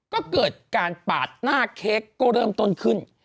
ก็เกิดการปาดหน้าเค้กก็เริ่มต้นขึ้น